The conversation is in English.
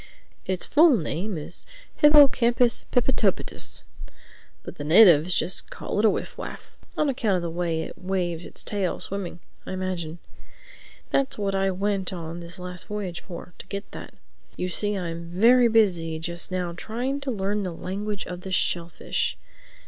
Its full name is hippocampus pippitopitus. But the natives just call it a Wiff Waff—on account of the way it waves its tail, swimming, I imagine. That's what I went on this last voyage for, to get that. You see I'm very busy just now trying to learn the language of the shellfish.